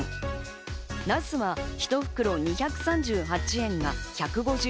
ナスは１袋２３８円が１５８円。